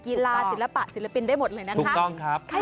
กีฬาศิลปะศิลปินได้หมดเลยนะคะ